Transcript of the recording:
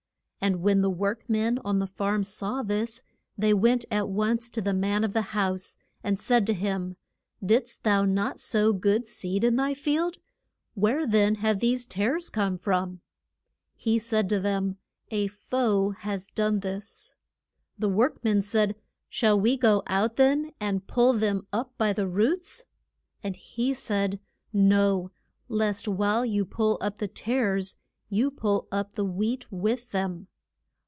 And when the work men on the farm saw this, they went at once to the man of the house, and said to him, Didst thou not sow good seed in thy field? Where then have these tares come from? He said to them, A foe has done this. The work men said, Shall we go out, then, and pull them up by the roots? And he said, No, lest while you pull up the tares you pull up the wheat with them.